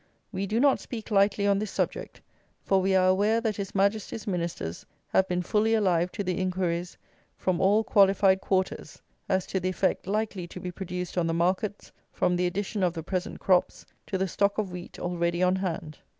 We do not speak lightly on this subject, for we are aware that His Majesty's Ministers have been fully alive to the inquiries from all qualified quarters as to the effect likely to be produced on the markets from the addition of the present crops to the stock of wheat already on hand.